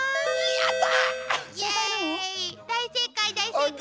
やった！